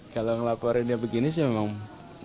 kalau ngelaporin dia begini sih memang